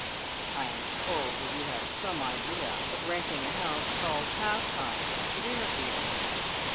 "I am told that you have some idea of renting a house called Pastimes, near here!"